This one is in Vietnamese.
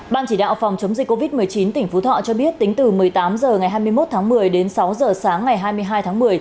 ban chỉ đạo phòng chống dịch covid một mươi chín tỉnh phú thọ cho biết tính từ một mươi tám h ngày hai mươi một tháng một mươi đến sáu h sáng ngày hai mươi hai tháng một mươi